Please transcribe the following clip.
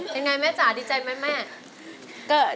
แล้วคุณแม่จ๋าดีใจหรือไม่รู้